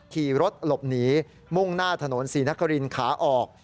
ขี่รถหลบหนีมุ่งหน้าถนนศรีนครินขาออก